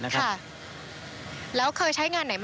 สวัสดีครับ